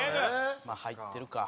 まあ入ってるか。